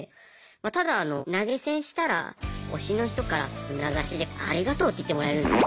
ただ投げ銭したら推しの人から名指しで「ありがとう」って言ってもらえるんですよ。